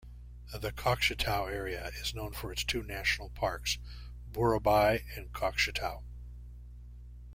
The Kokshetau area is known for its two national parks, Burabay and Kokshetau.